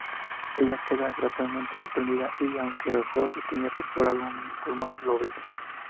Ella queda gratamente sorprendida y, aunque Homer tenía perforado un pulmón, la besa.